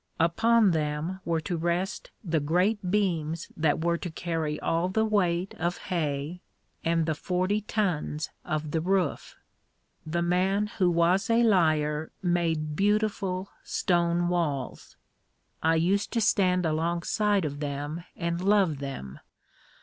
Upon them were to rest the great beams that were to carry all the weight of hay and the forty tons of the roof. The man who was a liar made beautiful stone walls. I used to stand alongside of them and love them.